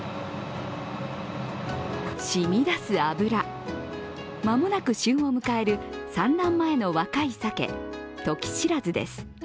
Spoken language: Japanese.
しみ出す脂、間もなく旬を迎える産卵前の若いさけ、ときしらずです